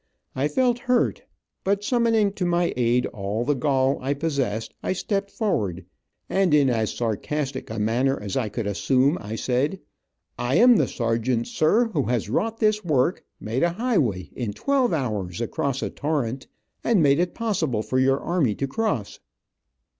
I felt hurt, but, summoning to my aid all the gall I possessed, I stepped forward, and, in as sarcastic a manner as I could assume, I said: "I am the sergeant, sir, who has wrought this work, made a highway in twelve hours, across a torrent, and made is possible for your army to cross."